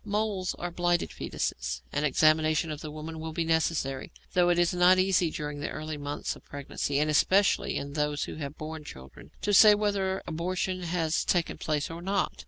Moles are blighted foetuses. An examination of the woman will be necessary, though it is not easy during the early months of pregnancy, and especially in those who have borne children, to say whether abortion has taken place or not.